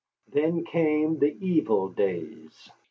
Then came the evil days.